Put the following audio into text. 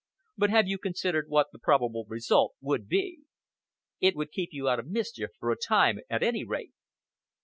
But have you considered what the probable result would be?" "It would keep you out of mischief for a time, at any rate."